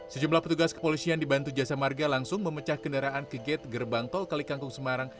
sejumlah petugas kepolisian dibantu jasa marga langsung memecah kendaraan ke gate gerbang tol kalikangkung semarang